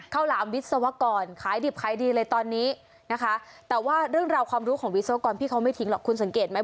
หลามวิศวกรขายดิบขายดีเลยตอนนี้นะคะแต่ว่าเรื่องราวความรู้ของวิศวกรพี่เขาไม่ทิ้งหรอกคุณสังเกตไหม